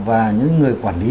và những người quản lý